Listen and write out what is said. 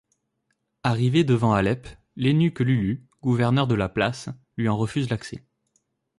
Arrivé devant Alep l’eunuque Lulu, gouverneur de la place, lui en refuse l’accès.